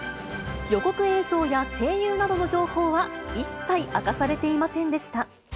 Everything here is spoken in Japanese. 予告映像や声優などの情報は、一切明かされていませんでした。